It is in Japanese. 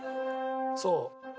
そう。